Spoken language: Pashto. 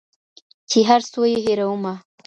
چي هر څو یې هېرومه